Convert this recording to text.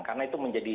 karena itu menjadi